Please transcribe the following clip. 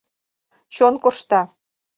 Чон коршта.